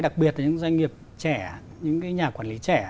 đặc biệt là những doanh nghiệp trẻ những nhà quản lý trẻ